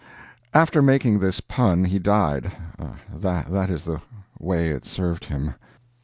After making this pun he died that is the whey it served him.